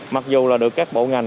mặc dù là được các bộ ngành